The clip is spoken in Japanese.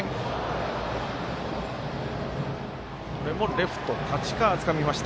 レフト、太刀川つかみました。